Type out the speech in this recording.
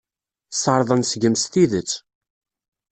Sserḍen seg-m s tidet.